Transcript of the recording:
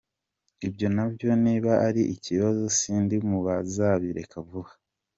Ibyo nabyo niba ari ikibazo, sindi mu bazabireka vuba.